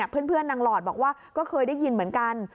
เพื่อนนางหลอดบอกว่าก็เคยได้ยินเหมือนกัน